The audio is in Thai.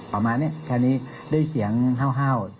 ประมาณนี้แค่นี้ด้วยเสียงห้าว